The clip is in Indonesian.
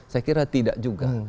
saya kira tidak juga